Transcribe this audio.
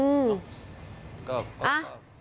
อืม